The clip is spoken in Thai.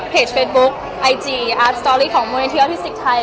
เพจเฟซบุ๊คไอจีอาร์ตสตอรี่ของมูลนิธิออฟฟิสิกส์ไทย